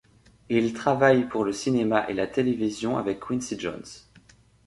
Il travaille pour le cinéma et la télévision avec Quincy Jones.